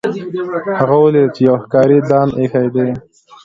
هغه ولیدل چې یو ښکاري دام ایښی دی.